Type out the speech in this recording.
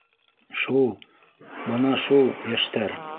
Шул, бына шул, йәштәр.